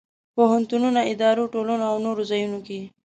پوهنتونونو، ادارو، ټولنو او نور ځایونو کې.